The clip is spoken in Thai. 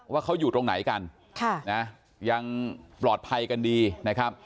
ว่าเขาอยู่ตรงไหนกันยังปลอดภัยกันดีนะครับ